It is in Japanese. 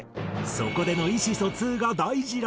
そこでの意思疎通が大事らしいが。